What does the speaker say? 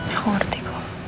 aku berhenti kok